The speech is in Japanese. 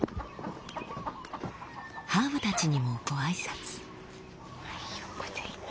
ハーブたちにもご挨拶。